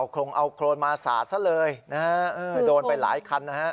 คงเอาโครนมาสาดซะเลยนะฮะเธอโดนไปหลายคันนะฮะ